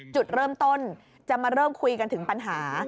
จุดเริ่มต้นจะมาเริ่มคุยกันถึงปัญหา